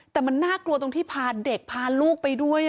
แต่มันน่ากลัวตรงที่พาเด็กพาลูกไปด้วย